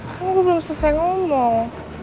kan gue belum selesai ngomong